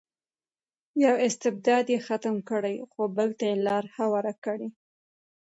یو استبداد یې ختم کړی خو بل ته یې لار هواره کړې.